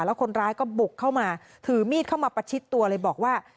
แล้วคนร้ายก็บุกเข้ามาถือมีดเข้ามาประชิดตัวเลยบอกว่า